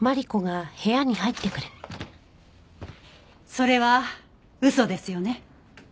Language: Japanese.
それは嘘ですよね？